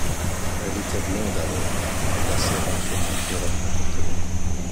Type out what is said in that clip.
Elle était blonde alors! — La serrant sur son cœur avec emportement.